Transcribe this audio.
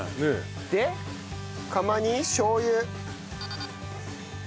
で釜にしょう油。